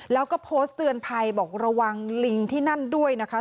แล้วก็โพสต์เตือนภัยบอกระวังลิงที่นั่นด้วยนะคะ